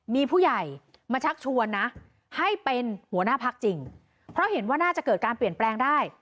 มีผู้ใหญ่มาชักชวนนะให้เป็นหัวหน้าพักจริงเพราะเห็นว่าน่าจะเกิดการเปลี่ยนแปลงได้